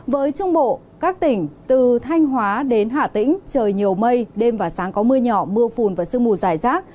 với trung bộ các tỉnh từ thanh hóa đến hà tĩnh trời nhiều mây đêm và sáng có mưa nhỏ mưa phùn và sương mù dài rác